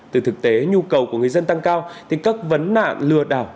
từ thực tế nhu cầu của người dân tăng cao tính cấp vấn nạn lừa đảo